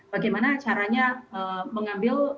bagaimana caranya mengambil